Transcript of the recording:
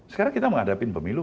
sekarang kita menghadapi pemilu